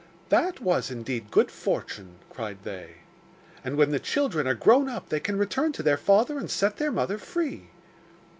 'That was indeed good fortune!' cried they. 'And when the children are grown up they can return to their father and set their mother free.